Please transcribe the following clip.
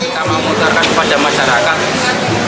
kita memutarkan kepada masyarakat